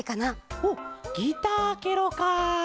ほうギターケロか。